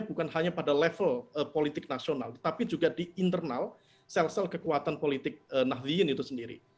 spektrum pengaruhnya bukan hanya pada level politik nasional tapi juga di internal sel sel kekuatan politik nahdliyin itu sendiri